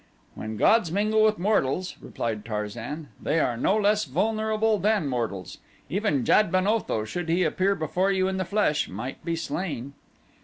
"When gods mingle with mortals," replied Tarzan, "they are no less vulnerable than mortals. Even Jad ben Otho, should he appear before you in the flesh, might be slain."